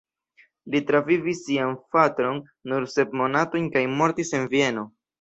Li travivis sian fraton nur sep monatojn kaj mortis en Vieno.